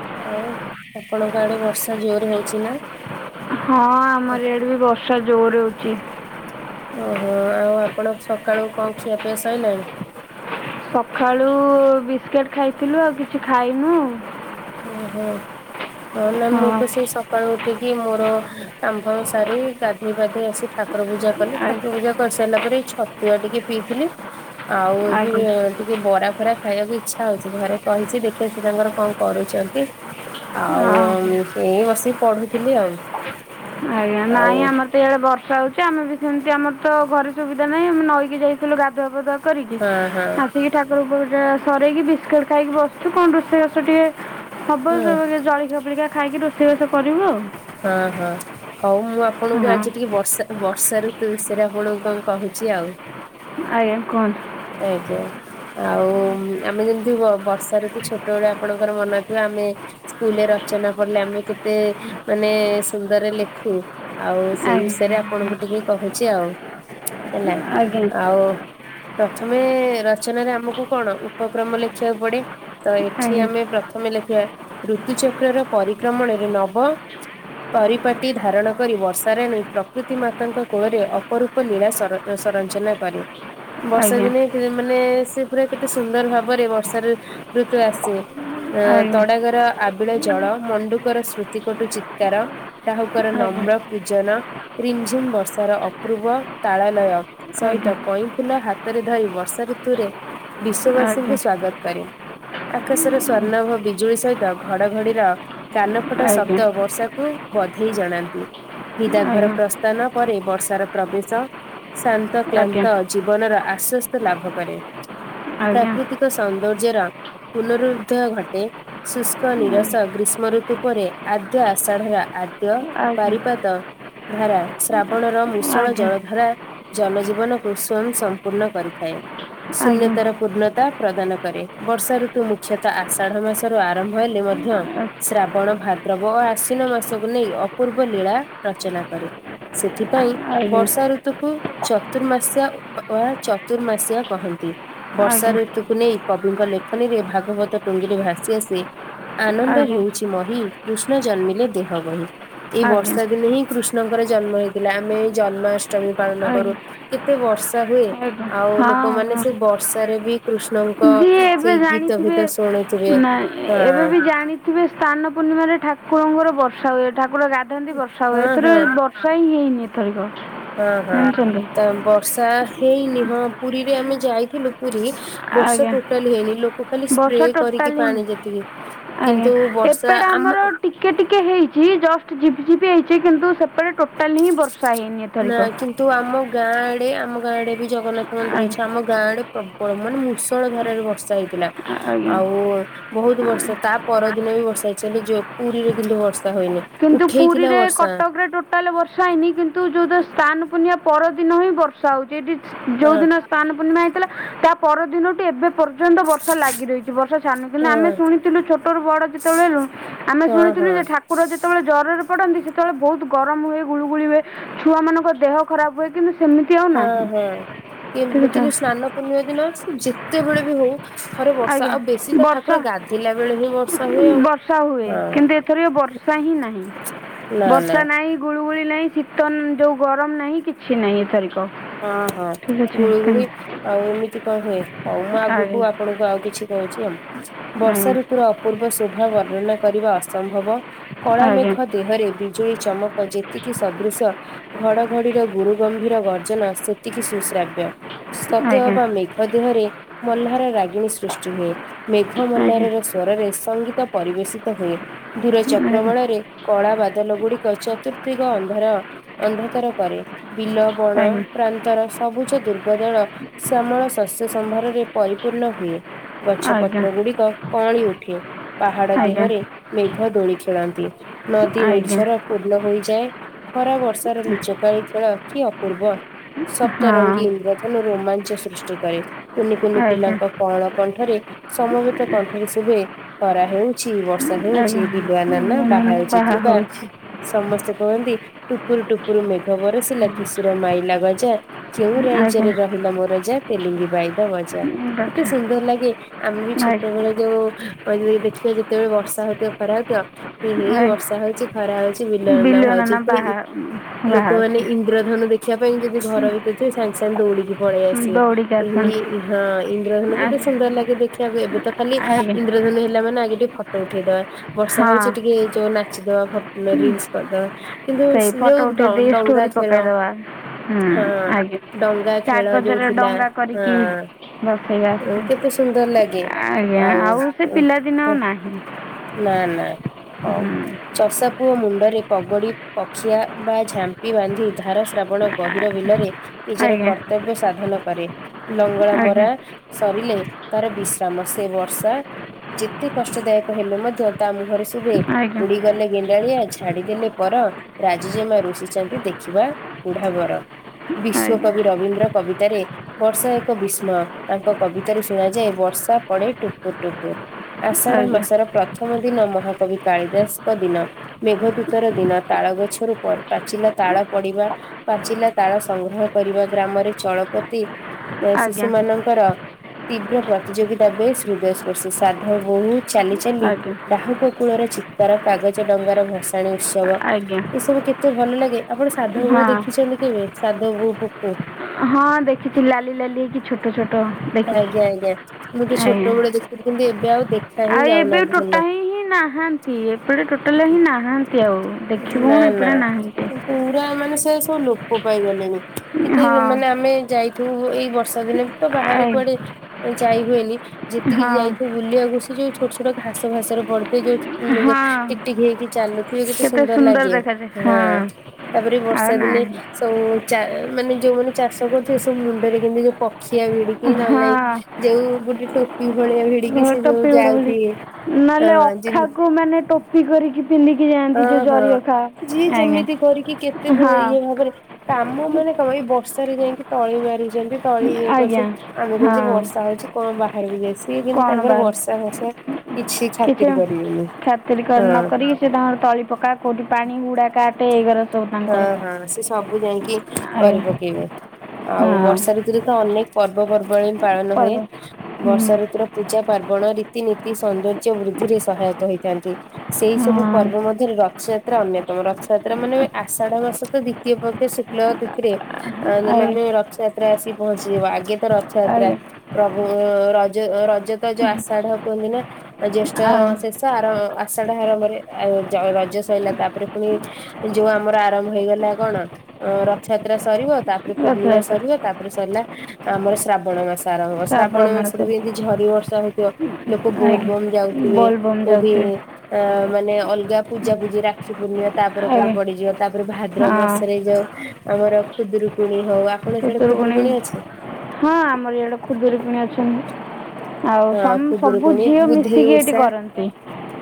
ଆଉ ଆପଣଙ୍କ ଆଡେ ବର୍ଷା ଜୋର ହଉଛି ନା? ହଁ ଆମର ଇଆଡେ ବି ବର୍ଷା ଜୋରେ ହଉଚି। ଓହୋ ଆଉ ଆପଣ ସକାଳୁ କଣ ଖିଆ ପିଆ ସାଇଲାଣି? ସକାଳୁ ବିସ୍କିଟ ଖାଇଥିଲୁ ଆଉ କିଛି ଖାଇନୁ ଓହୋ ହଉ ନା ହଁ ମୁଁ ତ ସେଇ ସ ସକାଳୁ ଉଠିକି ମୋର କାମଫାମ ସାରି ଗାଧେଇ ପାଧେଇ ଆସି ଠାର ପୂଜା କଲି ଠାକୁର ପୂଜା କରିସାରିଲା ପରେ ଏଇ ଛତୁଆ ଟିକେ ପିଇଥିଲି ଆଉ ଆଜ୍ଞା ଏବେ ହଁ ଟିକେ ବରା ଫରା ଖାଇବାକୁ ଇଚ୍ଛା ହଉଚି ଘରେ କହିଚି ଦେଖିବା ସେ ତାଙ୍କର କଣ କରୁଚନ୍ତି? ଆଉ ଏଇ ବସିକି ପଢୁଥିଲି ଆଉ। ଆଜ୍ଞା ଆଉ ନାଇଁ ଆମର ତେବେଳେ ବର୍ଷା ହଉଚି ଆମେ ବି ସେମିତି ଆମର ତ ଘରେ ସୁବିଧା ନାହିଁ ଆମେ ନଈକି ଯାଇଥିଲୁ ଗାଧୁଆ ପାଧୁଆ କରିକି ହଁ ହଁ ଆସିକି ଠାକୁର ପୂଜା ସରେଇକି ବିସ୍କୁଟ ଖାଇକି ବସଚୁ କଣ ରୋଷେଇ ବାଷ ଟିକେ ହବ ହଁ। ତାପରେ ଜଳିଖିଆ ଫଳିଖିଆ ଖାଇକି ରୋଷେଇବାସ କରିବୁ ଆଉ। ଅଁ ହଁ ହଉ ମୁଁ ଆପଣଙ୍କୁ ହଁ ଆଜି ଟିକେ ବର୍ଷା ବର୍ଷାଋତୁ ବିଷୟରେ ଆପଣଙ୍କୁ କଣ କହୁଚି ଆଉ। ଆଜ୍ଞା କୁହନ୍ତୁ। ଆଜ୍ଞା। ଆଉ ଆମେ ଯେମତି ବ ବର୍ଷାଋତୁ ଛୋଟବେଳେ ଆପଣଙ୍କର ମନେ ଥିବ ଆମେ ସ୍କୁଲରେ ରଚନା ପଡିଲେ ଆମେ କେତେ ମାନେ ସୁନ୍ଦରରେ ଲେଖୁ। ଆଉ ସେଇ ବିଷୟରେ ଆଜ୍ଞା ଆପଣଙ୍କୁ ଟିକେ କହୁଚି ଆଉ ହେଲା। ଆଜ୍ଞା ଆଉ ପ୍ରଥମେ ରଚନାରେ ଆମକୁ କଣ ଉପକ୍ରମ ଲେଖିଆକୁ ପଡେ। ତ ଏଠି ଆଜ୍ଞା ଆମେ ପ୍ର ଥମେ ଲେଖିବା ଋତୁଚକ୍ରର ପରିକ୍ରମଣରେ ନବ ପରିପାଟି ଧାରଣ କରି ବର୍ଷା ରାଣୀ ପ୍ରକୃତି ମାତାଙ୍କ କୋଳରେ ଅପରୂପ ଲୀଳା ସର ସରଞ୍ଚନା କରେ। ଆଜ୍ଞା ବର୍ଷାଦିନେ କେ ମାନେ ସେ ପୁରା କେତେ ସୁନ୍ଦର ଭାବରେ ବର୍ଷା ରେ ଋତୁ ଆସେ। ଏଁ ଆଜ୍ଞା ତଡାଗର ଆବିଳ ଜଳ ମଣ୍ଡୁକର ସ୍ମୃତିକଟୁ ଚିତ୍କାର ଡାହୁକର ଆଜ୍ଞା ନମ୍ର କୁଜନ ରିମଝିମ୍ ବର୍ଷାର ଅପୃବ ତାଳଲୟ ଆଜ୍ଞା ସହିତ କଇଁ ଫୁଲ ହାତରେ ଧରି ବର୍ଷାଋତୁରେ ଆଜ୍ଞା ବିଶ୍ଵବାସୀଙ୍କୁ ସ୍ଵାଗତ କରେ। ଆକାଶର ସ୍ବର୍ଣ୍ଣାଭ ବିଜୁଳି ସହିତ ଘଡଘଡିର କାନଫଟା ଆଜ୍ଞା ଶବ୍ଦ ବର୍ଷାକୁ ବଧେଇ ଜଣାନ୍ତି। ନିଦାଘର ଆଜ୍ଞା ପ୍ରସ୍ଥାନ ପରେ ବର୍ଷାର ପ୍ରବେଶ ଶାନ୍ତ ଆଜ୍ଞା କ୍ଲାନ୍ତ ଜୀବନର ଆଶ୍ଵସ୍ତ ଲାଭକରେ। ଆଜ୍ଞା ପ୍ରାକୃତି କ ସୌନ୍ଦର୍ଯ୍ୟର ପୁନରୁଦ୍ଧୟ ଘଟେ। ଶୁଷ୍କ ନିରସ ଗ୍ରୀଷ୍ମଋତୁ ପରେ ଆଦ୍ୟ ଆଷାଢର ଆ ଦ୍ୟ ଆଜ୍ଞା ବାରିପାତ ଧାରା ଶ୍ରାବଣର ମୁଷଳ ଆଜ୍ଞା ଜଳଧାରା ଜନଜୀବନକୁ ସ୍ଵୟଂ ସମ୍ପୂର୍ଣ୍ଣ କରିଥାଏ। ଆଜ୍ଞା ଆଜ୍ଞା ଶୂନ୍ୟତାର ପୂର୍ଣ୍ଣତା ପ୍ରଦାନ କରେ। ବର୍ଷାଋତୁ ମୁଖ୍ୟତଃ ଆଷାଢ ମାସରୁ ଆରମ୍ଭ ହେଲେ ମଧ୍ୟ ଶ୍ରାବଣ, ଭାଦ୍ରବ ଓ ଆଶ୍ୱିନ ମାସକୁ ନେଇ ଅପୂର୍ବ ଲୀଳା ରଚନା କରେ। ସେଥିପାଇଁ ଆଜ୍ଞା ଆଜ୍ଞା ବର୍ଷାଋତୁକୁ ଚର୍ତୁମାସିଆ ଚର୍ତୁମାସିଆ କହନ୍ତି। ଆଜ୍ଞା ବର୍ଷାଋତୁ କୁ ନେଇ କବିଙ୍କ ଲେଖନୀରେ ଭାଗବତ ଟୁଙ୍ଗିରେ ଭାସି ଆସେ ଆନନ୍ଦ ହେଉଚି ମହି କୃଷ୍ଣ ଜନ୍ମିଲେ ଦେହ ବହି। ଏଇ ଆଜ୍ଞା ବର୍ଷାଦିନେ ହିଁ କୃ ଷ୍ଣଙ୍କର ଜନ୍ମ ହେଇଥିଲା। ଆମେ ଜନ୍ମାଷ୍ଟମୀ ପାଳନ କରୁ। ଆଜ୍ଞା କେତେ ବର୍ଷ ସା ହୁଏ ଆଉ ଲୋକମାନେ ହଁ ହଁ ସେ ବର୍ଷାରେ ବି କୃଷ୍ଣଙ୍କ ଯିଏ ଏବେ ସେଇ ଗୀତ ଜାଣିଥିବେ ଫିତ ଶୁଣିୁଥିବେ ହଁ। ଥିବେ ସ୍ନାନପୂର୍ଣ୍ଣିମାରେ ଠାକୁରଙ୍କର ବର୍ଷା ହୁଏ ଠାକୁର ଗା ସେନ୍ତି ବର୍ଷା ହୁଏ ହଁ ଏଥରି ହଁ। ବର୍ଷା ହିଁ ହେଇନି ଏଥରିକ ହଁ ହଁ। ଜାଣିଛନ୍ତି। ତ ବର୍ଷା ହେଇନି ହଁ ପୁରୀରେ ଆମେ ଯାଇଥିଲୁ ପୁରୀ ବର୍ଷା ଆଜ୍ଞା ଟୋଟାଲି ହେଇନି। ଲୋକ ଖାଲି ସ୍ପ୍ରେ ବର୍ଷା କରିକି ଟୋଟାଲି ନାହିଁ ପାଣି ଯେତିକି ଆଜ୍ଞା। କିନ୍ତୁ ବର୍ଷା ଏପେଟେ ଆମ ଆମର ଟିକେ ଟିକେ ହେଇଚି, ଜଷ୍ଟ ଝିପ୍ ଝିପ୍ ହେଇଚି। କିନ୍ତୁ ସେପଟେ ଟୋଟାଲ ହିଁ ବର୍ଷା ହେଇନି ଏ ନା କିନ୍ତୁ ଆମ ଗାଁ ଆଡେ, ଆମ ଗାଁ ଆଡେ ବି ଜଗନ୍ନାଥ ମନ୍ଦିର ଅଛି। ଆଜ୍ଞା ଆମ ଗାଁ ଆଡେ ପ୍ରବଳ ମାନେ ମୂଷଳଧାରାରେ ବର୍ଷା ହେଇଥିଲା। ଆଜ୍ଞା ଆଉ ବହୁତ ବର୍ଷା ତା ପରଦିନ ବି ବର୍ଷା ହେଇଚି, ହେଲେ ଯୋ ପୁରୀରେ କିନ୍ତୁ ବର୍ଷା ହୋଇନି। କିନ୍ତୁ ଉଠେଇଥିଲା ପୁରୀରେ, ବର୍ଷା କଟକରେ ଟୋ ତାହେଲେ ବର୍ଷା ହେଇନି କିନ୍ତୁ ଯୋଉଦିନ ସ୍ନାନପୂର୍ଣ୍ଣିମା ପରଦିନ ହିଁ ବର୍ଷା ହଉଚି। ଏଠି ହଁ ଯୋଉଦିନ ସ୍ନାନ ପୂର୍ଣ୍ଣିମା ହେଇଥିଲା, ତା ପରଦିନଠୁ ଏବେ ପର୍ଯ୍ୟନ୍ତ ବର୍ଷା ଲାଗି ରହିଚ ଚି ବର୍ଷା ଛାଡୁନି। କିନ୍ତୁ ହଁ ଆମେ ଶୁଣିଥିଲୁ ଛୋଟରୁ ବଡ ଯେତେବଳେ ହେଲୁ, ଆମେ ହଁ ଶୁଣିଥିଲୁ ହଁ। ଯେ ଠା କୁର ପୁରା ଯେତେବେଳେ ଜ୍ୱରରେ ପଡନ୍ତି, ସେତବଳେ ବହୁତ ଗରମ ହୁଏ, ଗୁଳୁଗୁଳି ହୁଏ ଛୁଆମାନଙ୍କ ଦେହ ଖରାପ ହୁଏ, କିନ୍ତୁ ସେମିତି ଆଉ ନାହିଁ। ଇଏ ଠିକ୍ ଅଛି କିନ୍ତୁ ସ୍ନାନପୂର୍ଣ୍ଣିମା ଦିନ, ସିଏ ଯେତେବେଳେ ବି ହଉ ଥରେ ବର୍ଷା ଆଜ୍ଞା ଆଉ ବେଶୀ ତ ଠାକୁ ବର୍ଷା ବର୍ଷା ହୁଏ ହଁ କିନ୍ତୁ ଏଥର ଏ ବର୍ଷ ବର୍ଷା ହିଁ ନାହିଁ। ନା ନା ବର୍ଷା ନାହିଁ ଗୁଳୁଗୁଳି ନାହିଁ, ଶୀତ ଯୋଉ ଗରମ ନାହିଁ, କିଛି ନାହିଁ ଏଥରିକ। ହଁ ହଁ। ଠିକ୍ ଅଛି ଗୁଳୁ ଗୁଳି ଆଉ ଏମିତି କଣ ହୁଏ? ହଉ ମୁଁ ଆଗକୁ ଆଜ୍ଞା ଆପଣଙ୍କୁ ଆଉ କିଛି କହୁଛି ଆଉ। ଆଜ୍ଞା ବର୍ଷାଋତୁ ଅପୂର୍ବ ଶୋଭା ବର୍ଣ୍ଣନା କରିବା ଅସମ୍ଭବ। କଳା ଆଜ୍ଞା ମେଘ ଦେହରେ ବିଜୁଳି ଚମକ ଯେତିକି ସଦୃଶ, ଘଡଘଡିର ଗୁରୁ ଗମ୍ଭୀର ଗର୍ଜନ ସେତିକି ସୁଶ୍ରାବ୍ୟ। ସତେ ଆଜ୍ଞା ଅବା ମେଘ ଦେହରେ ମହ୍ଲାର ରାଗିଣୀ ସୃଷ୍ଟି ହୁଏ। ମେଘ ଆଜ୍ଞା ମହ୍ଲାରର ସ୍ଵରରେ ସଙ୍ଗୀତ ପରିବେଷିତ ହୁଏ। ଦୂରଚକ୍ର ବଳରେ କଳା ବାଦଲଗୁଡିକ ଚତୁର୍ଦ୍ଦିଗ ଅନ୍ଧାର ଅନ୍ଧକାର କରେ। ବିଲ, ବଣ ଆଜ୍ଞା ପ୍ରାନ୍ତର, ସବୁଜ ଦୁର୍ବଦଳ, ଶ୍ୟାମଳ ଶସ୍ୟ ସମ୍ଭାରରେ ପରିପୂର୍ଣ୍ଣ ହୁଏ। ଗଛ ଆଜ୍ଞା ପତ୍ରଗୁଡିକ କଅଁଳି ଉଠେ। ପାହାଡ ଆଜ୍ଞା ଆଜ୍ଞା ଦେହରେ ମେଘ ଦୋଳି ଖେଳନ୍ତି। ନଦୀ ଆଜ୍ଞା ନିର୍ଝର ପୂର୍ଣ୍ଣ ହୋଇଯାଏ ଖରା, ବର୍ଷାର ଲୁଚକାଳି ଖେଳ କି ଅପୂର୍ବ। ସପ୍ତରଙ୍ଗୀ ହଁ ଇନ୍ଦ୍ରଧନୁ ରୋମାଞ୍ଚ ସୃଷ୍ଟି କରେ। କୁନି କୁନି ଆଜ୍ଞା ପିଲାଙ୍କ କଅଁଳ କଣ୍ଠରେ, ସମବେତ କଣ୍ଠରେ ଶୁଭେ ଖରା ହେଉଛି, ବର୍ଷା ହେଉଛି, ଆଜ୍ଞା ବିଲୁଆ ନନା ମୁଁ ବାହା ମାନେ ହେଉଛି। କିମ୍ବା ହେଉଛି ସମସ୍ତେ କହନ୍ତି, ଟୁପୁରୁ ଟୁପୁରୁ ମେଘ ବରଷିଲା, କିଶୁର ମାଇଲା ଗଜା, କେଉଁ ଆଜ୍ଞା ରାଇଜରେ ରହିଲା ମୋ ରଜା ତେଲିଙ୍ଗି ବାଇଦ ବଜା। ଠିକ୍ କେତେ ଅଛି ସୁନ୍ଦର ଲାଗେ, ଆମେ ବି ଛୋଟ ଆଜ୍ଞା ବେଳେ ଯୋଉ ଯଦି ଦେଖିବେ ଯେତେବେଳେ ବର୍ଷା ହଉଥିବ, ଖରା ହଉଥିବ ହେ ହେଇ ଆଜ୍ଞା ବର୍ଷା ହଉଛି, ଖରା ହଉଛି, ବିଲୁଆ ନନା ବିଲୁଅ ବାହା ହଉଛି। ପୁଣି ବାହା ଗୀ ବାହା ଲୋକମାନେ ଅଛି ଇନ୍ଦ୍ରଧନୁ ଦେଖିବା ପାଇଁ ଯଦି ଘର ଭିତରେ ଥିବେ, ସାଙ୍ଗେ ସାଙ୍ଗେ ଦୌଡିକି ପଳେଇ ଆସିବେ। ଦୌଡ଼ିକି ଆସନ୍ତୁ ଏଇ ହଁ ଇନ୍ଦ୍ରଧନୁ କେତେ ଆଜ୍ଞା ସୁନ୍ଦର ଲାଗେ ଦେଖିବାକୁ। ଏବେ ତ ଖାଲି ଇନ୍ଦ୍ର ଆଜ୍ଞା ଇନ୍ଦ୍ରଧନୁ ହେଲା ମାନେ ଆଗେ ଟିକେ ଫଟୋ ଉଠେଇଦବା, ବର୍ଷା ହଁ ହଉଛି ଟିକେ ଯୋଉ ନାଚିଦବା, ଫଟ ରିଲ୍ସ କରିଦବା। କିନ୍ତୁ ସେଇ ସେ ଫଟୋ ଯୋଉ ଉଠେଇ ଦେଇ ଡ-ଡଙ୍ଗା ଷ୍ଟୋରି ଖେଳ ପକାଇଦେବା ହୁଁ ହଁ, ଆଜ୍ଞା ଡଙ୍ଗା ଖେଳ ଯୋଉ କାଗଜରେ ଥିଲା ଡଙ୍ଗା ହଁ। କରିକି ବସେଇବା ହଁ, କେତେ ସୁନ୍ଦର ଲାଗେ। ଆଜ୍ଞା ଆଉ ସେ ହଁ ପିଲାଦିନ ଆଉ ହାଁ ନାହିଁ ନା ନା, ହଉ। ଚଷାପୁଅ ମୁଣ୍ଡରେ ପଗଡି, ପଖିଆ ବା ଝାମ୍ପି ବାନ୍ଧି ଧାରା ଶ୍ରାବଣ ଗହୀର ବିଲରେ, ନିଜର ଆଜ୍ଞା କର୍ତ୍ତବ୍ୟ ସାଧନ କରେ। ଲଙ୍ଗଳା ଆଜ୍ଞା ମରା ସରିଲେ, ତାର ବିଶ୍ରାମ। ସେ ବର୍ଷା ଯେତେ କଷ୍ଟଦାୟକ ହେଲେ ମଧ୍ୟ, ତା ମୁହଁରେ ସ ଶୁଭେ, ଆଜ୍ଞା ଉଡିଗଲେ ଗେଣ୍ଡାଳିଆ ଛାଡିଦେଲେ ପର, ରାଜଜେମା ରୁଷିଛନ୍ତି ଦେଖିବା ବୁଢ଼ା ବର। ଆଜ୍ଞା ଆଜ୍ଞା ବିଶ୍ଵକବି ରବୀନ୍ଦ୍ର କବିତାରେ ବର୍ଷା ଏକ ବିସ୍ମୟ ତାଙ୍କ କବିତାରୁ ଶୁଣାଯାଏ ବର୍ଷା ପଡେ ଟୁପୁର ଟୁପ୍। ଆଷାଢ ମାସର ପ୍ରଥମ ଦିନ ମହାକବି କାଳିଦାସଙ୍କ ଦିନ। ମେଘ ଦୂତର ଦିନ ତାଳ ଗଛରୁ ପ ପାଚିଲା ତାଳ ପଡିବା। ପାଚିଲା ତାଳ ସଂଗ୍ରହ କରିବା ଗ୍ରାମରେ ଚଳପତି ଏଁ ଶିଶୁ ଆଜ୍ଞା ମାନଙ୍କ ର ତୀବ୍ର ପ୍ରତିଯୋଗିତା ବେଶ୍ ହୃଦୟପର୍ଶୀ ସାଧବ ବହୁତ ଚାଲି ଚାଲି ଆଜ୍ଞା ଡାହୁକ କୂଳର ଚିତ୍କାର କାଗଜ ଡଙ୍ଗାର ଭସା ଭଷାଣି ଉତ୍ସବ ଆଜ୍ଞା ଏ ସବୁ କେତେ ଭଲ ଲାଗେ ଆପଣ ସାଧବ ବୋହୁ ଦେ ହଁ [unintelligible] ସାଧବ ବୋହୁ କୁ କୁ ହଁ ଦେଖିଛି ଲାଲି ଲାଲି ହେଇକି। ଛୋଟ ଛୋଟ ଦେଖିଛି। ଆଜ୍ଞା ଆଜ୍ଞା ମୁଁ ତ ଛୋଟବେଳେ ଦେଖିଥିଲି କିନ୍ତୁ ଏବେ ଆଉ ଦେଖା ହିଁ ଆଉ ଏବେ ଯାଉନାହାନ୍ତି ଟୋଟା ଜମା। ହିଁ ନାହାନ୍ତି ଏପଟେ ଟୋଟାଲ ହିଁ ନାହାନ୍ତି ଆଉ। ଦେଖିବୁ ନା କଣ ନା ଏପଟେ ନାହାନ୍ତି ପୁରା ମାନେ ସେ ସବୁ ଲୋପ ପାଇ ଗଲେଣି। କେତେ ମାନେ ହଁ ଆମେ ଯାଇଥିବୁ ଏଇ ବର୍ଷା ଦିନେ ତ ବାହାରେ ଏଇ କୁଆଡେ। କୁଆରେ ଯାଇ ହୁଏନି ଯେତିକି ହଁ ଯାଇଥିବୁ। ବୁଲିଆକୁ ସେ ଯୋଉ ଛୋଟ ଛୋଟ ଘାସ ଫାସରେ ପଡିଥିବେ ଯୋଉ ହଁ ଟିକ୍ ଟିକ୍ ହେଇକି ଚାଲୁଥିବେ ଯେତେ ସୁ କେତେ ନ୍ଦର ସୁନ୍ଦର ଲାଗେ ଦେଖାଯାଏ ହଁ ତାପରେ ଆଉ ବର୍ଷା ଦିନେ ନାହିଁ ସବୁ ଚା ମାନେ ଯୋଉ ମାନେ ଚାଷ କରୁ ଥିବେ ସବୁ ମୁଣ୍ଡରେ କେମତି ଯୋଉ ପକ୍ଷିଆ ଭିଡିକି। କି ନଲେ ନାଇଁ ହଁ ଯୋଉ ଗୋଟେ ଟୋପି ଭଳିଆ ଭି ଟୋପି ଭିଡା ଭିଡି ନହେଲେ ହଁ ଯେମି ଅଖାକୁ ମାନେ ଟୋପି କରିକି ପିନ୍ଧିକି ଯା ଅଁ ହଁ ଯିଏ ଯେମିତି କରିକି କେତେ ହଁ ଇଏ ଭାବରେ କାମ ମାନେ କଣ ଏଇ ବର୍ଷାରେ ଯାଇଁକି ତଳି ମାରୁଛନ୍ତି। ତଳି ଇଏ ଆଜ୍ଞା କରିଛନ୍ତି ଆମେ ହଁ କହୁଛେ ବର୍ଷା ହଉଛି କଣ ବାହାରକୁ ଯାଇସି କିନ୍ତୁ କ'ଣ ତାଙ୍କର ବାହାରୁ ବର୍ଷା ଫର୍ଷା କିଛି ଛାତିରି କରିବେନି। ଖାତିରି କରି ନ ହଁ। କରିକି ସେ ତାଙ୍କର ତଳି ପକା କୋଉଠି ପାଣି ହୁଡା କାଟେ ଏଇ ଉରା ସବୁ ହଁ ତାଙ୍କର ହଁ ସେ ସବୁ ଯାଇଁକି କରି ଆଜ୍ଞା ପକେଇବେ ଆଉ ବର୍ଷା ହଁ ଋତୁରେ ତ ଅନେକ ପର୍ବପର୍ବାଣୀ ପାଳନ ହୁଏ ପର୍ବ ହୁଁ ବର୍ଷା ଋତୁର ପୂଜା ପାର୍ବଣ ରୀତିନୀତି ସୌନ୍ଦର୍ଯ୍ୟ ବୃଦ୍ଧିରେ ସହାୟତା ହୋଇଥାନ୍ତି ସେଇ ସବୁ ପର୍ବ ହଁ ମଧ୍ୟରେ ରଥଯାତ୍ରା ଅନ୍ୟତମ ରଥଯାତ୍ରା ମାନେ ଆଷାଢ ମାସ ତ ଦ୍ଵିତୀୟ ପକ୍ଷ ଶୁକ୍ଲ ତିଥିରେ ଆମେ ଆଜ୍ଞା ମାନେ ରଥଯାତ୍ରା ଆସିିକି ପହଞ୍ଚିଯିବ ଆଗେ ତ ରଥଯାତ୍ରା। ଆଜ୍ଞା ପ୍ରଭୁ ରଜ ରଜ ତ ଯ ଆଷାଢ କୁହନ୍ତି ନା ଜ୍ୟେଷ୍ଠ ଆଉ ସେସ୍‌ ଆର ଆଷାଢା ଆରମ୍ଭରେ ଆଉ ଜ ରଜ ସରିଲା ତାପରେ ପୁଣି ଯୋଉ ଆମର ଆରମ୍ଭ ହେଇଗଲା କଣ ରଥଯାତ୍ରା ସରିବ ତା ପରେ ପୂର୍ଣ୍ଣିମା ସରିବା ରଥଯାତ୍ରା ତାପରେ ସରିଲା ଆମର ଶ୍ରାବଣ ମାସ। ଆରମ୍ଭ ଶ୍ରାବଣ ସାବ୍ରହ୍ମଣ୍ୟ ମାସରେ ସବୁ ବି ଏମିତି ଝରି ବର୍ଷା ହଉଥିବ। ଲୋକ ବୋଲ ଆଜ୍ଞା ବମ୍ ଯାଉଥିବେ ବୋଲବମ୍ କୋଉଠି ଯାଉଥିବେ ଆଁ ମାନେ ଅଲଗା ପୂଜାପୂଜିି ରାଖି ପୁର୍ନିମା। ତାପରେ ପରେ ଆଜ୍ଞା ପଡିଯିବ ତାପରେ ଭାଦ୍ରବ ହଁ ମାସରେ ଯଉ ଆମର ଖୁଦୁରୁକୁଣି ହଉ ଆ ଖୁଦୁରୁକୁୁଣି ହଁ ଆମର ଇଆଡେ ଖୁଦୁରୁକୁଣି ଅଛନ୍ତି। ଆଉ ସ ହଁ ସବୁ ଖୁଦୁରୁକୁଣୀ ଝିଅ ବୁଧେଇ ମିଶିକି ଏଇଠି ଓଷା କରନ୍ତି।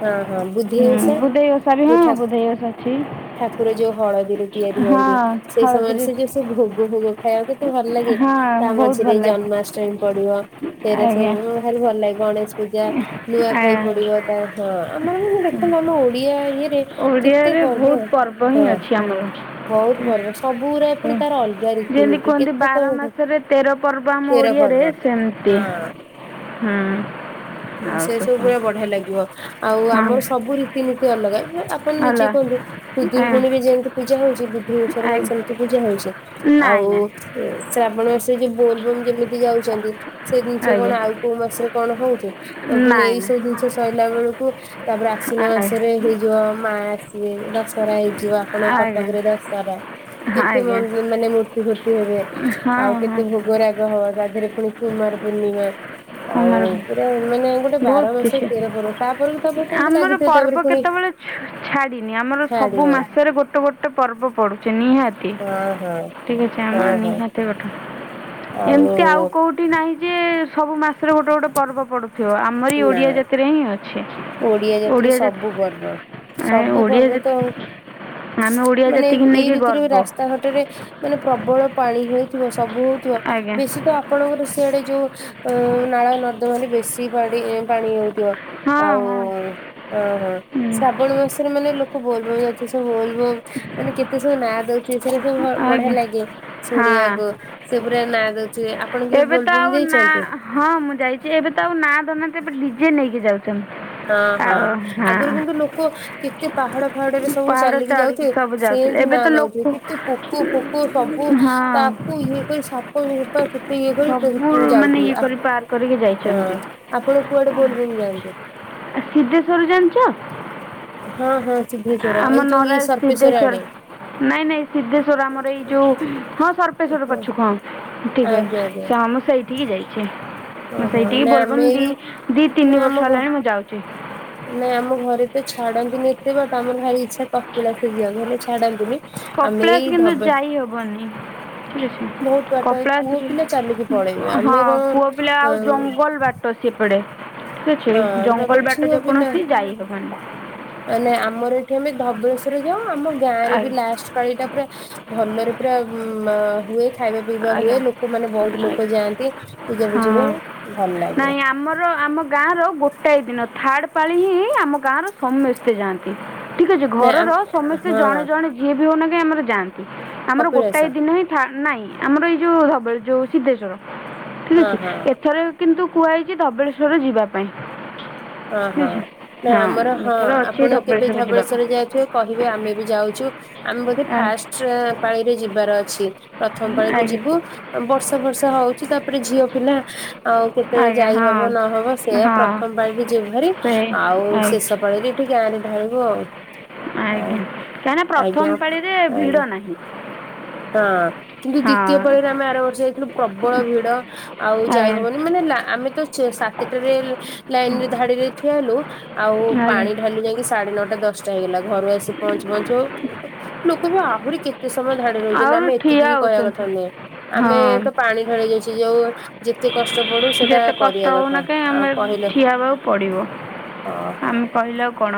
ହଁ ହଁ ବୁଧେଇ ହୁଁ ଓଷା ବୁଧେଇ ଓଷା ବି ଯୋଉ ହଁ ଠାକୁ ବୁଧେଇ ଓଷା ଅଛି। ଠାକୁର ଯୋଉ ହଳଦୀରେ ତିଆରି ହଁ ହୁଅନ୍ତି ସେଇ ସମୟରେ ହଳଦୀରେ ସେ ଯୋଉ ସେ ଭୋଗ ଫୋଗ ଖାଇବା ପାଇଁ ତେ ଭଲ ଲାଗେ ହଁ ତା ବହୁତ ମଝିରେ ଭଲ ଲାଗେ ଜନ୍ମାଷ୍ଟମୀ ପଡିବ ସେରା ସବୁ ଆଜ୍ଞା ଦ୍ଭାରି ଭଲ ଲାଗେ ଗଣେଶ ପୂଜା ନୂଆ ଖାଇ ଆଜ୍ଞା ପଡିବ ତା ହଁ ଆମର ମାନେ ଦେଖନ୍ତୁ ଆମ ଓଡିଆ ଇଏରେ କେତେ ଓଡିଆରେ ବହୁତ୍ ହଁ। ପର୍ବ ହିଁ ଅଛି ବହୁତ ପର୍ବ ସବୁଗୁରା ପୁଣି ଆମର। ତାର ଅଲଗା ଯେମିତି ରୀତିନୀତି କୁହନ୍ତି କେତେ ବାର ସବୁ ମାସରେ ତେର ପର୍ବ ଆମ ତେର ଓଡିଆରେ। ପର୍ବ ସେମତି ହୁଁ। ଅଁ ଆଉ ସେ ସବୁ ପୁରା ହଁ ବଢିଆ ଲାଗିବ ଆଉ ଆମର ସବୁ ରୀତିନୀତି ଅଲଗା। ଆପଣ ନିଜେ ହ୍ୟାଲୋ କୁହନ୍ତୁ କୁଦୁରୁକୁଣୀରେ ଯେମିତି ପୂଜା ହଉଛି। କି ଓଷାରେ କଣ ସେମିତି ପୂଜା ହଉଛି ନାଇଁ ଆଉ ନାଇଁ ଶ୍ରାବଣ ମାସରେ ଯୋଉ ବୋଲଭମ ଯେମିତି ଯାଉଛନ୍ତି ସେ ଜିନିଷ କଣ ଆଜ୍ଞା ଆଉ କୋଉ ମାସରେ କଣ ହୋଉଛି। ଆ ପୁଣି ନାଇଁ ଏଇ ସବୁ ଜିନିଷ ସରିଲା ବେଳକୁ ତାପରେ ଆସି ଆଶ୍ୱିନ ନାଇଁ ମାସରେ ହେଇଯିବ ମା ଆସିବେ ଦଶହରା ହେଇଯିବ ଆପଣ ଆଜ୍ଞା ଆଜ୍ଞା କଟକରେ ଦଶହରା। କେତେ ମ ଆଜ୍ଞା ମାନେ ମୂର୍ତ୍ତି ଫୁର୍ତ୍ତି ହେବେ ହଁ ଆଉ ହଁ କେତେ ଭୋଗ ରାଗ। ହଁ ତା ଦେହରେ ପୁଣି କୁମାର ପୂର୍ଣ୍ଣିମା। ଆଉ କୁମାର ପୁରା ମାନେ ଗୋଟେ ବାର ବହୁତ ମାସ କିଛି ତେର ପର୍ବ ତାପରକୁ ତାପରକୁ ଏମିତି ଲାଗିଥିବ। ତାପରେ ପୁଣି ଛାଡିିନି ଆମର ସବୁ ଛାଡ଼ିବ ମାସରେ ଗୋଟେ ଗୋଟେ ପର୍ବ ପଡୁଛି ନିହାତି। ହଁ ହଁ ଠିକ୍ ଅଛି ହଁ ଆମର ହଁ ନିହାତି ଗେଟେ ଏମିତି ଆଉ କୋଉଠି ନାହିଁ। ଯେ ସବୁ ସେଟା ଗୋଟେ ଗୋଟେ ପର୍ବ ପଡୁଥିବ ଆମର ଏଇ ନା ଓଡିଆ ଜାତିରେ ହିଁ ଅଛି। ଓଡିଆ ଜାତିରେ ଓଡ଼ିଆ ଜାତି ସବୁ ପର୍ବ ଏ ସବୁ ଓଡ଼ିଆ ପର୍ବ ଜାତି ତ ଆଉ। ଆମେ ଓଡ଼ିଆ ମାନେ ଜାତିକି ଏଇ ନେଇକି ଋତୁରେ ବି ଗର୍ବ ରାସ୍ତା ଘାଟରେ ମାନେ ପ୍ରବଳ ପାଣି ହଉଥିବ ସବୁ ହଉଥିବ ଆଜ୍ଞା ବେଶୀ ତ ଆପଣଙ୍କର ସେଆଡେ ଯୋଉ ଅ ନାଳ ନର୍ଦ୍ଦମା ରେ ବେଶୀ ପାଡି ପାଣି ହଉଥିବ। ହଁ ଆଉ ହଁ ଆ ହଁ ହଁ ଶ୍ରାବଣ ମାସରେ ମାନେ ଲୋକ ବୋଲ୍ ବମ୍ ଯାଉଛନ୍ତି। ବୋଲ୍ ବାମ୍ ମାନେ କେତେ ସବୁ ନାଁ ଧରୁଥିବେ ସେରା ସବୁ ବ୍ ବଢ଼ିଆ ଆଜ୍ଞା ଲାଗେ ହଁ ଶୁଣିବାକୁ। ସେ ପୁରା ନାଁ ଧରୁଥିବେ ଆଉ ଏବେ ତ ଆଉ ନା ହଁ ମୁଁ ଯାଇଚି ଏବେ ତ ଆଉ ନାଁ ଧରୁ ନାହାନ୍ତି ଏବେ ଡିଜେ ନେଇକି ଯାଉଚନ୍ତି। ଆଉ ହଁ। ଆଉ କେତେ ପାହାଡ଼ ପା ହାଡ଼ରେ ସବୁ ପାହାଡ଼ ଚାଲିକି ଚଢ଼ିକି ଯାଉଥିବେ ସବୁ ଯାଉଥିଲେ ସେଏମିତି ଏବେ ନା ତ ଲୋକ ନୋଉଥିବେ କେତେ ପୋକ ଫୋକ ସବୁ ତା ହଁ ତାକୁ ଇଏ କରି ସାପ ରୂପା କେତେ ଇଏ ସବୁ କରି ମାନେ ଯାଉଥିବେ ଇଏ ହଁ। କରି ପାର କରିକି ଯାଇଛନ୍ତି ଆପଣ କୁଆଡ଼େ କୁଆଡ଼େ ବୋଲ୍ ବମ୍ ଯାଆନ୍ତି? ଆ ସିଦ୍ଧେଶ୍ୱର ଜାଣିଚ? ହଁ ହଁ ସିଦ୍ଧେଶ୍ଵର ଆମ ଏଇ ଯୋଉ ନରାଜ ଇ ସର୍ପେଶ୍ୱର ସିଦ୍ଧେଶ୍ୱର ଆଡ଼େ। ନାଇଁ ନାଇଁ ସିଦ୍ଧେଶ୍ଵର ଆମର ଏଇ ଯୋଉ ହଁ ସର୍ପେଶ୍ଵର ପଛୁକୁ ହଁ। ଠିକ୍ କହିଲ ଆଜ୍ଞା ଆଜ୍ଞା ତ ଆମେ ସେଇଠିକି ଯାଇଚେ। ମୁଁ ଓହୋ ସେଇଠିକି ନା ବୋଲ୍ ଆମେ ବମ୍ ଏଇ ଦି ଦି ନା ତିନି ଆମ ବର୍ଷ ଘ ହେଲାଣି ମୁଁ ଯାଉଚି। ନାଇଁ ଆମ ଘରେ ତ ଛାଡ଼ନ୍ତିନି। ଏତେ ବାଟ ଆମର ଭାରି ଇଚ୍ଛା କପିଳାସ ଯିବା ପାଇଁ ହେଲେ ଛାଡ଼ନ୍ତିନି। କପଳାସ କିନ୍ତୁ ଯାଇ ହବନି। ବହୁତ ବାଟ ଏ କପିଳାସ ପୁଅ ପିଲା ଚାଲିକି ପଳେଇବେ ଆମେ ହଁ କଣ ପୁଅ ପିଲା ଆଉ ହଁ ଜଙ୍ଗଲ୍ ବାଟ। ସେପଟେ ଠିକ୍ ଅଛି। ତାପରେ ଜଙ୍ଗଲ ବାଟ ଯେ କୌଣସି ଯାଇ ହବନି। ଆ ନାଇଁ ଆମର ଏଠି ଆମେ ଧବଳେଶ୍ଵର ଯାଉ ଆମ ଗାଁରେ ବି ଆଜ୍ଞା ଲାଷ୍ଟ୍ ପାଳିଟା ପୁରା ଭଲରେ ପୁରା ମା ହୁଏ। ଖାଇବା ପିଇବା ଆଜ୍ଞା ହୁଏ। ଲୋକ ମାନେ ବୋହୁତ୍ ଲୋକ ଆଜ୍ଞା ଯାଆନ୍ତି ପୂଜା ପୂଜି ହୁଏ ହଁ ଭଲ୍ ଲାଗେ। ନାଇଁ ଆମର ଆମ ଗାଁ ର ଗୋଟାଏ ଦିନ ଥାର୍ଡ ପାଳି ହିଁ ଆମ ଗାଁର ସମେସ୍ତେ ଯାଆନ୍ତି। ଠିକ୍ ଅଛି ନା ଘରର ସମେସ୍ତେ ହଁ ଜଣେ ଜଣେ ଯିଏ ବି ହୋଉନା କାଇଁ ଆମର ଯାଆନ୍ତି। ଆମର ଗୋଟାଏ କପିଳାସ ଦିନ ହିଁ ଥାନ୍ ନାଇଁ ଆମର ଏଇ ଯୋଉ ଧବଳେ ଯୋଉ ସିଦ୍ଧେଶ୍ୱର। ଠିକ୍ ହଁ ଅଛି। ହଁ। ଏଥର କିନ୍ତୁ କୁହା ହେଇଚି ଧବଳେଶ୍ଵର ଯିବା ପାଇଁ। ଅ ହଁ ନାଇଁ ଆମର ହଁ ଯେତେବେଳେ ଅଛି ଆପଣ କେବେ ଧବଳେଶ୍ୱର ଯିବାକୁ ଧବଳେଶ୍ଵର ଯାଇଥିବେ କହିବେ ଆମେ ବି ଯାଉଛୁ ଆମେ ବୋଧେ ଆଜ୍ଞା ଫାଷ୍ଟ୍ ପାଳିରେ ଯିବାର ଅଛି। ପ୍ରଥମ ପାଳିରେ ଯିବୁ ଆଁ ବର୍ଷା ଫର୍ଷା ହଉଛି ତାପରେ ଝିଅ ପିଲା। ଆଉ କେତେବେଳେ ଆଜ୍ଞା ଆଜ୍ଞା ଯାଇ ହବ ହଁ ନ ହବ ସେୟା ହଁ ପ୍ରଥମ ପାଳିରେ ଯିବୁ ଭାରି ସେ ଆଉ ଆଜ୍ଞା ଶେଷ ପାଳିରେ ଏଠି ଗାଁରେ ଢାଳିବୁ ଆଉ। ହଉ ଆଜ୍ଞା କାହିଁକି ନା ଆଜ୍ଞା ପ୍ରଥମ୍ ପାଳିରେ ଆଜ୍ଞା। ଭିଡ଼ ନାହିଁ। ହଁ। କିନ୍ତୁ ହଁ ଦ୍ୱିତୀୟ ପାଳିରେ ଆମେ ଆର ବର୍ଷ ଯାଇଥିଲୁ ପ୍ରବଳ ଭିଡ଼। ଆଉ ଯାଇ ଆଜ୍ଞା ହବନି ମାନେ ଲା ଆମେ ତ ସକାଳ ସାତ୍ ଟାରେ ଲାଇନ୍ ରେ ଧାଡ଼ିରେ ଠିଆ ହେଲୁ। ଆଉ ଆଜ୍ଞା ପାଣି ଢ଼ାଳିଲୁ ଯାଇକି ସାଢ଼େ ନଅଟା ଦଶ୍ ଟା ହେଇଗଲା। ଘରୁ ଆସିକି ପହଁଞ୍ଚୁ ପହଁଞ୍ଚୁ ଲୋକ ବି ଆହୁରି କେତେ ସମୟ ଧାଡ଼ିରେ କିନ ଆଉ ଆମେ ଠିଆ ଏତିକି ବି କହିବା ହେଉଛନ୍ତି କଥା ନୁହେଁ। ହଁ ଆମେ ତ ପାଣି ଢ଼ାଳି ଯାଉଛେ ଯୋଉ ଯେତେ କଷ୍ଟ ପଡୁ ସେଟା ଯେତେ କଷ୍ଟ କରିବା ହେଉନା କଥା କାହିଁ ଆମେ ଆଉ କହିଲେ ହଁ ହଁ। ଉଁ କହିଲେ ଆଉ କଣ?